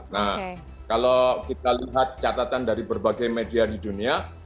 nah kalau kita lihat catatan dari berbagai media di dunia